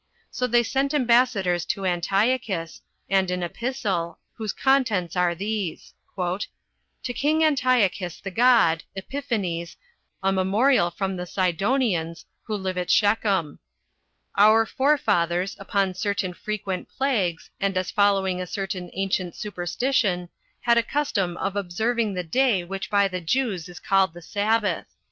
So they sent ambassadors to Antiochus, and an epistle, whose contents are these: "To king Antiochus the god, Epiphanes, a memorial from the Sidonians, who live at Shechem. Our forefathers, upon certain frequent plagues, and as following a certain ancient superstition, had a custom of observing that day which by the Jews is called the Sabbath.